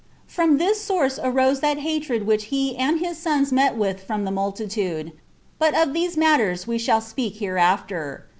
From this source arose that hatred which he and his sons met with from the multitude: but of these matters we shall speak hereafter.